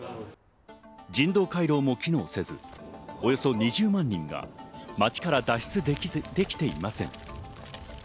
人道回廊も機能せず、およそ２０万人が街から脱出できていません。